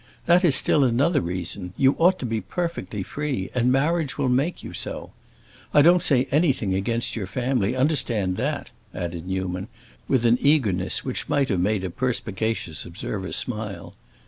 That is still another reason; you ought to be perfectly free, and marriage will make you so. I don't say anything against your family—understand that!" added Newman, with an eagerness which might have made a perspicacious observer smile.